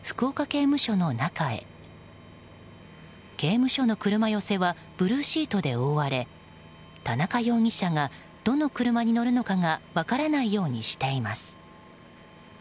刑務所の車寄せはブルーシートで覆われ田中容疑者がどの車に乗るのかが分からないようにしています。